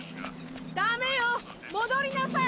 ダメよ戻りなさい！